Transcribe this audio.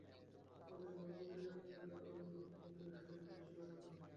আমাদের নৌকা টেনে নিয়ে তারাও দূর সমুদ্রে ফেলে দিয়ে চলে গেল।